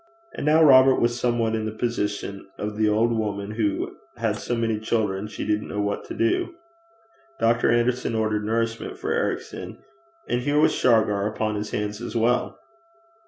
And now Robert was somewhat in the position of the old woman who 'had so many children she didn't know what to do.' Dr. Anderson ordered nourishment for Ericson, and here was Shargar upon his hands as well!